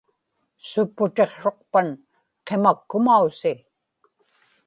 supputiqsruqpan qimakkumausi